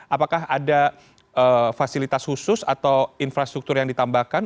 apakah ada fasilitas khusus atau infrastruktur yang ditambahkan